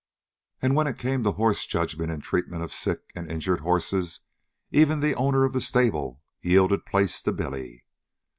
And when it came to horse judgment and treatment of sick and injured horses even the owner of the stable yielded place to Billy.